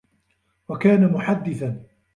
وَكَانَ مُحَدِّثًا